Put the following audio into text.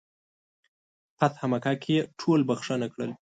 فتح مکه کې یې ټول بخښنه کړل.